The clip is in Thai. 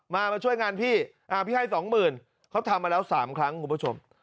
มามาช่วยงานพี่พี่ให้สองหมื่นเขาทำมาแล้ว๓ครั้งคุณผู้ชม